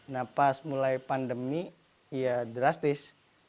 nah pas mulai pandemi ya drastis